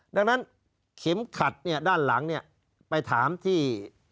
ดังนั้นเข็มขัดด้านหลังไปถามที่